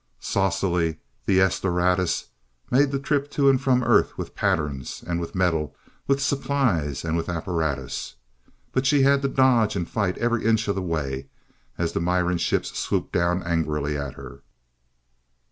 Saucily, the "S Doradus" made the trip to and from Earth with patterns, and with metal, with supplies and with apparatus. But she had to dodge and fight every inch of the way as the Miran ships swooped down angrily at her.